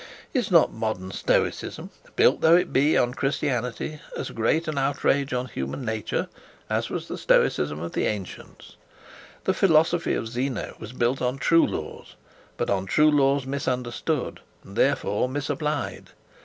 Is not modern stoicism, built though it be on Christianity, as great an outrage on human nature as was the stoicism of the ancients? The philosophy of Zeno was built on true laws, but on true laws misunderstood, and therefore misapplied.